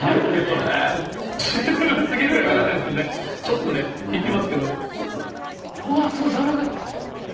十分すぎるぐらいかかってるんですけどね、ちょっとね、いきますけれども、ちょっと、あー、すごい、柔らかい。